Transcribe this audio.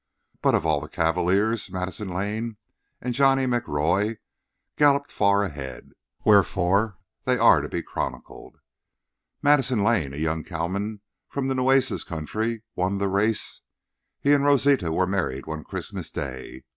But of all the cavaliers, Madison Lane and Johnny McRoy galloped far ahead, wherefore they are to be chronicled. Madison Lane, a young cattleman from the Nueces country, won the race. He and Rosita were married one Christmas day.